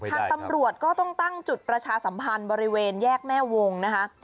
ทางตำรวจก็ต้องตั้งจุดประชาสัมพันธ์บริเวณแยกแม่วงนะคะ